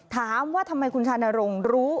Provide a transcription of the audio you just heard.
ถามว่าทำไมคุณชานรงค์รู้